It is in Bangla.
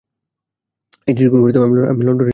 এ চিঠি আমি লণ্ডনের ঠিকানায় লিখছি।